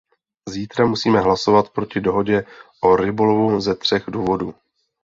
Zítra musíme hlasovat proti dohodě o rybolovu ze třech důvodů.